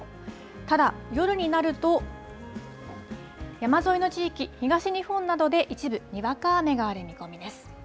ただ、夜になると山沿いの地域、東日本などで一部にわか雨がある見込みです。